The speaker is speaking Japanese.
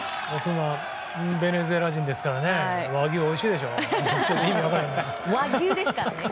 ベネズエラ人ですから和牛おいしいでしょ。